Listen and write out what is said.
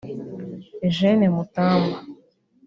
Eugene Mutamba